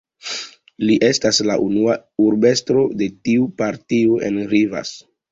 Li estas la unua urbestro de tiu partio en Rivas.